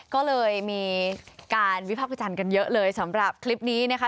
ก็เลยมีการวิพากษ์วิจารณ์กันเยอะเลยสำหรับคลิปนี้นะคะ